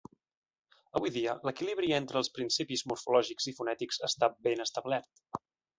Avui dia, l'equilibri entre els principis morfològics i fonètics està ben establert.